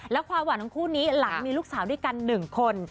และความหวานของคู่นี้หลังมีลูกสาวด้วยกัน๑คน